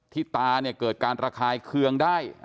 ที่ตาเกิดการระคายเคืองได้